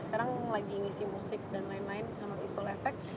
sekarang lagi ngisi musik dan lain lain sama isol efek